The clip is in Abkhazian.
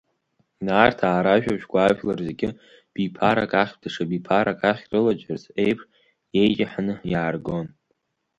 Нарҭаа ражәабжьқәа ажәлар зегьы биԥарак ахьтә даҽа биԥарак ахь рылаҷыц еиԥш иеиҷаҳаны иааргон.